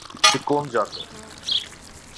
তুই কোন জাতের?